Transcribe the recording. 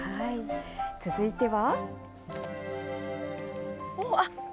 続いては。